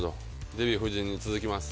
デヴィ夫人に続きます。